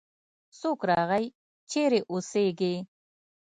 څوک راغی؟ چیرې اوسیږې؟